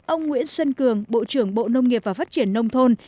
ông nguyễn xuân cường bộ trưởng bộ nông nghiệp và phát triển nông thôn